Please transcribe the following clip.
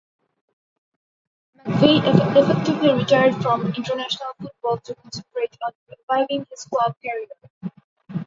McVeigh effectively retired from international football to concentrate on reviving his club career.